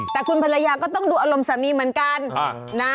แต่คุณภรรยาก็ก็จะดูอารมณ์ของคุณสามีเหมือนกัน